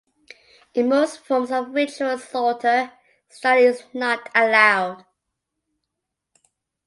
In most forms of ritual slaughter, stunning is not allowed.